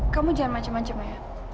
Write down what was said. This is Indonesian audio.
kamu jangan macem macem ya